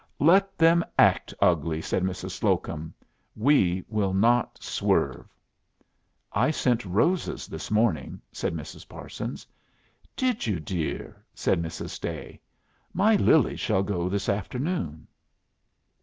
"Let them act ugly," said Mrs. Slocum. "We will not swerve." "I sent roses this morning," said Mrs. Parsons. "Did you, dear?" said Mrs. Day. "My lilies shall go this afternoon."